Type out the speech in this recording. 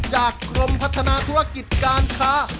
กรมพัฒนาธุรกิจการค้า